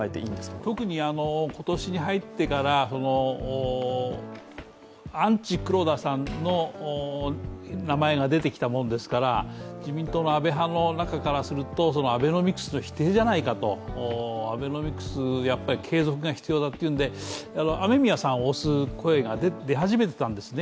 特に今年に入ってから、アンチ黒田さんの名前が出てきたものですから自民党の安倍派の中からすると、アベノミクスの否定じゃないかとアベノミクス、やっぱり継続が必要だというんで、雨宮さんを推す声が出始めてたんですね。